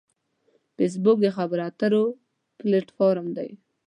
فېسبوک د خبرو اترو پلیټ فارم دی